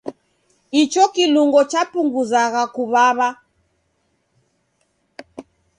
Icho kilungo chapunguzagha kuw'aw'a.